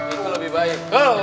itu lebih baik